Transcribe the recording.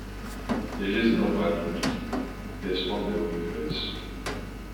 "Eles não valem muito?", respondeu o inglês.